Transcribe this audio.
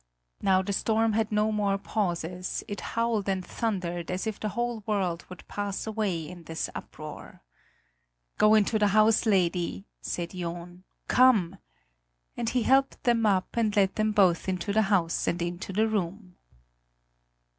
Now the storm had no more pauses; it howled and thundered as if the whole world would pass away in this uproar. "Go into the house, lady!" said John; "come!" and he helped them up and led both into the house and into the room.